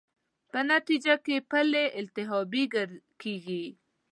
په نتېجه کې پلې التهابي کېږي.